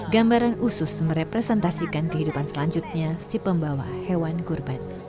gambaran usus merepresentasikan kehidupan selanjutnya si pembawa hewan kurban